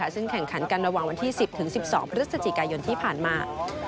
ซึ่งแข่งขันกันระหว่างวันที่๑๐๑๒พฤศจิกายนที่ผ่านมา